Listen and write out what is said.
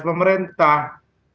karena menggunakan fasilitas